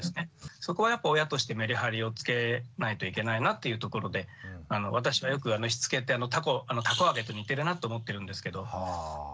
そこはやっぱ親としてメリハリをつけないといけないなっていうところで私もよくしつけって「たこ揚げ」と似てるなと思ってるんですけど。